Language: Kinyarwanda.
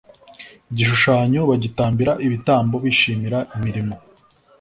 gishushanyo bagitambira ibitambo bishimira imirimo